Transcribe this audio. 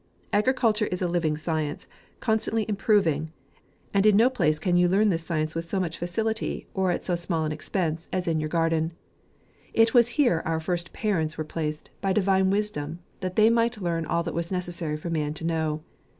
Agriculture is a living science, constantly improving, and in no place can you learn this science with so much B 14 JANUARY, facility, or at so small expense, as in your garden. It was here our first parents were placed, by divine wisdom, that they might learn all that was necessary for man to know.